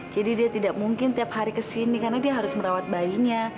jadi dia tidak mungkin tiap hari kesini karena dia harus merawat bayinya